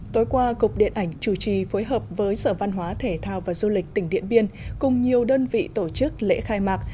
tối qua cục điện ảnh chủ trì phối hợp với sở văn hóa thể thao và du lịch tỉnh điện biên cùng nhiều đơn vị tổ chức lễ khai mạc